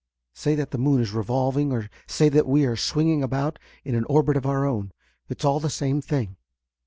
Say that the moon is revolving, or say that we are swinging about it in an orbit of our own it is all the same thing."